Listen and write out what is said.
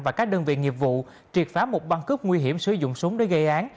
và các đơn vị nghiệp vụ triệt phá một băng cướp nguy hiểm sử dụng súng để gây án